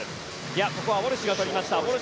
ここはウォルシュが取りました。